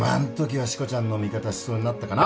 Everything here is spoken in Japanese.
はしこちゃんの味方しそうになったかな。